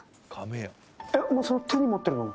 やすお前その手に持ってるの。